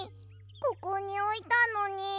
ここにおいたのに。